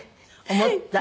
思った？